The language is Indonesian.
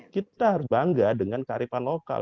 kita harus bangga dengan kearifan lokal